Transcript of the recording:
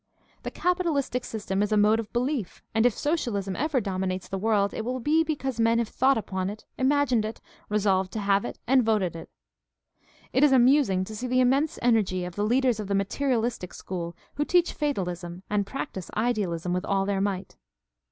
The capitalistic system is a mode of belief, and if socialism ever dominates the world it will be because men have thought upon it, imagined it, resolved to have it, and voted it. It is amusing to see the immense energy of the leaders of the "materialistic" school who teach fatalism and practice idealism with all their might.